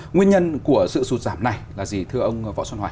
nguyên nhân của sự sụt giảm này là gì thưa ông võ xuân hoài